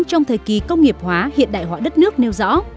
trong thời kỳ công nghiệp hóa hiện đại hóa đất nước nêu rõ